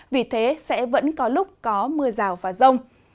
vì thế sẽ vẫn có lúc có mưa rào và rông